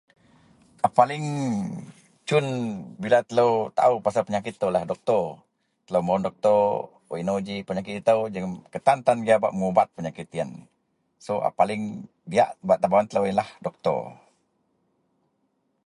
A paling cun bila telou taao pasel penyakit itoulah doktor. Telou mebawen doktor wak inou ji penyakit itou jegem ketantan bak mubat penyakit yen so a paling diyak bak tebawen telou yenlah doktor.